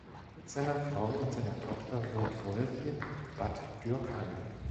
Mit seiner Frau und seiner Tochter wohnt Wolf in Bad Dürkheim.